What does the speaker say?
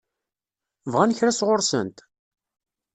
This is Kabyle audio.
Bɣan kra sɣur-sent?